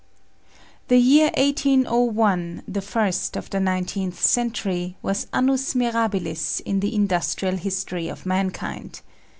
The year 1801, the first of the nineteenth century, was annus mirabilis in the industrial history of mankind.